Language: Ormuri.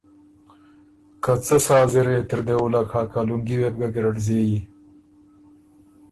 که ”څۀ سا زِرئ ت اِر دې وُلّک هۀ که لُنګي وې بو ګه ګیرډ زېبی“